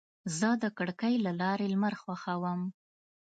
زه د کړکۍ له لارې لمر خوښوم.